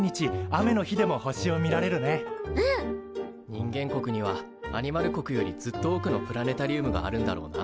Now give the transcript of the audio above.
人間国にはアニマル国よりずっと多くのプラネタリウムがあるんだろうな。